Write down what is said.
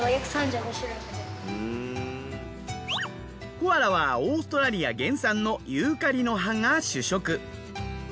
コアラはオーストラリア原産のユーカリの葉が主食。